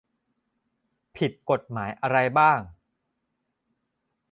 ผิดกฎหมายอะไรบ้าง